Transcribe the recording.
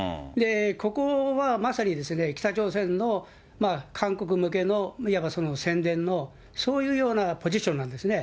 ここはまさに北朝鮮の韓国向けの、いわば宣伝の、そういうようなポジションなんですね。